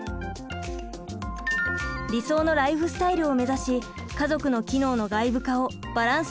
理想のライフスタイルを目指し家族の機能の外部化をバランスよく取り入れていきましょう！